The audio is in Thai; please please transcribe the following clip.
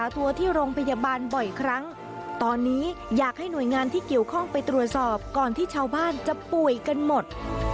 ตอนนี้อยากให้หน่วยงานที่เกี่ยวข้องไปตรวจสอบก่อนที่ชาวบ้านจะป่วยกันหมด